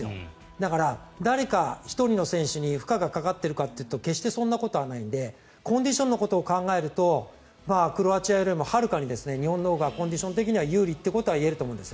だから、誰か１人の選手に負荷がかかっているかというと決してそんなことはないのでコンディションのことを考えるとクロアチアよりもはるかに日本のほうがコンディション的には有利ということは言えると思うんです。